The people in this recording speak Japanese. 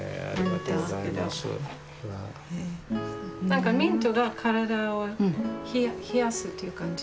何かミントが体を冷やすっていう感じ。